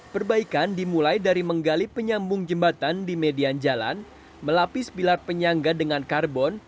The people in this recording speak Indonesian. perbaikan dimulai dari menggali penyambung jembatan di median jalan melapis pilar penyangga dengan karbon